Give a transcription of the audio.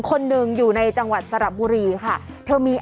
ครับผม